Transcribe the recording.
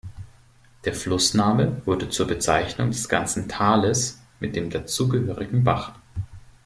Der Flussname wurde zur Bezeichnung des ganzen Tales mit dem dazugehörigen Bach.